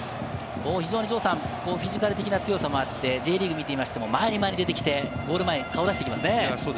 非常にフィジカル的な強さもあって、Ｊリーグを見ていても前に前に出てきて、ゴール前に顔出してきますね。